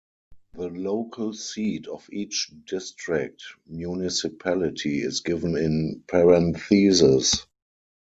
The local seat of each district municipality is given in parentheses.